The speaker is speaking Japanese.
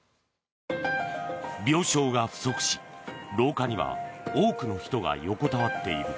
病床が不足し、廊下には多くの人が横たわっている。